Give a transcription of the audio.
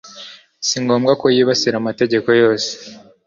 Si ngombwa ko yibasira amategeko yose,